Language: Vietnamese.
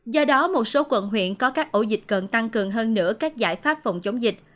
do đó một số quận huyện có các ổ dịch cần tăng cường hơn nữa các giải pháp phòng chống dịch